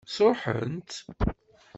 Sṛuḥen-tt?